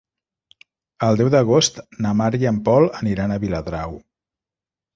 El deu d'agost na Mar i en Pol aniran a Viladrau.